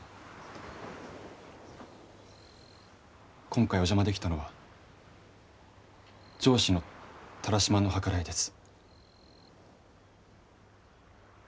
今回お邪魔できたのは上司の田良島の計らいです。